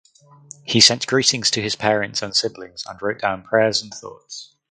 He sent greetings to his parents and siblings and wrote down prayers and thoughts.